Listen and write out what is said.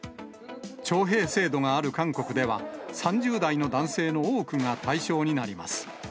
徴兵制度がある韓国では、３０代の男性の多くが対象になります。